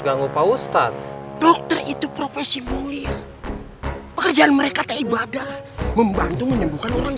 langgupa ustadz dokter itu profesi mulia pekerjaan mereka tak ibadah membantu menyembuhkan orang